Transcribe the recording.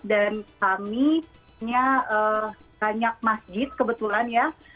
dan kaminya banyak masjid kebetulan ya